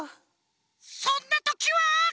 ・そんなときは。